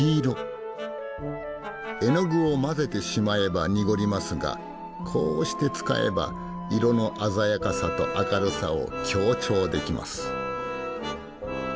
絵の具を混ぜてしまえば濁りますがこうして使えば色の鮮やかさと明るさを強調できます。